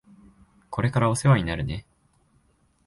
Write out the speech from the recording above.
これからお世話になるね。